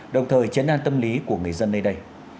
đồng thời chấn an tâm lý của người dân nơi đây